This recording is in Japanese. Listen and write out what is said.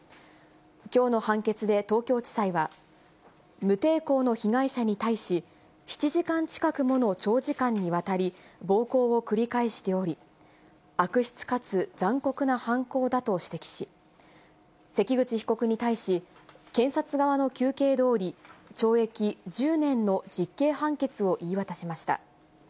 きょうの判決で東京地裁は、無抵抗の被害者に対し、７時間近くもの長時間にわたり、暴行を繰り返しており、悪質かつ残酷な犯行だと指摘し、関口被告に対し、検察側の求刑どおり、懲役１０年の実刑判決を言い渡しました。